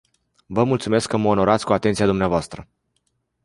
Vă mulțumesc că mă onorați cu atenția dvs.